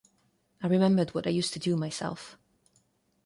I remembered what I used to do myself.